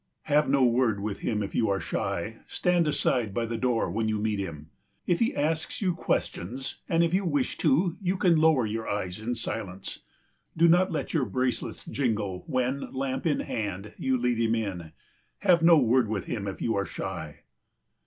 Have no word with him if you are shy; stand aside by the door when you meet him. If he asks you questions, and if you wish to, you can lower your eyes in silence. Do not let your bracelets jingle when, lamp in hand, you lead him in. Have no word with him if you are shy.